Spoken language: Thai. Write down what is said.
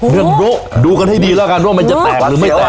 หูยนั่นโร่ดูกันให้ดีแล้วกันด้วยมันจะแตกหรือไม่แตก